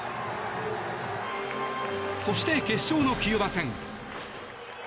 そして、決勝のキューバ戦。